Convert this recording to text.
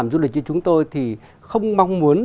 vì chúng tôi thì không mong muốn